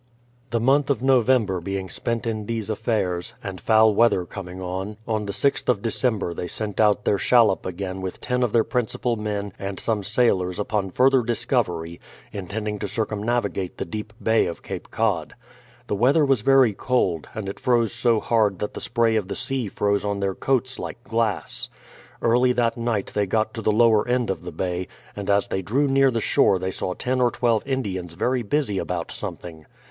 The month of November being spent in these affairs, and foul weather coming on, on the sixth of December they sent out their shallop again with ten of their principal men and some sailors upon further discovery, intending to circumnavigate the deep bay of Cape Cod. The weather was very cold, and it froze so hard that the spray of the sea froze on their coats like glass. Early that night they got to the lower end of the bay, and as they drew near the shore they saw ten or twelve Indians very busy about some thing.